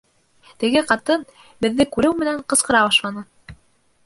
Теге ҡатын, беҙҙе күреү менән, ҡысҡыра башланы: